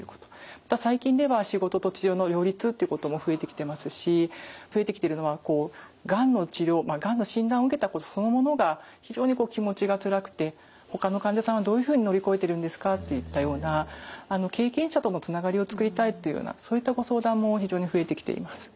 また最近では仕事と治療の両立っていうことも増えてきてますし増えてきてるのはがんの治療がんの診断を受けたことそのものが非常に気持ちがつらくてほかの患者さんはどういうふうに乗り越えてるんですかといったような経験者とのつながりを作りたいというようなそういったご相談も非常に増えてきています。